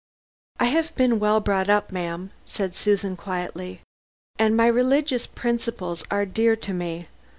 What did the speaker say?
"I have been well brought up, ma'am," said Susan quietly; "and my religious principles are dear to me.